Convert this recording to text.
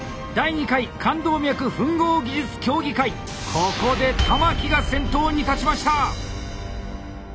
ここで玉木が先頭に立ちました！